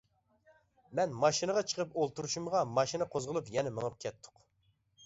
مەن ماشىنىغا چىقىپ ئولتۇرۇشۇمغا ماشىنا قوزغىلىپ يەنە مېڭىپ كەتتۇق.